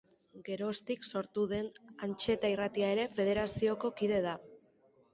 Geroztik sortu den Antxeta irratia ere federazioko kide da.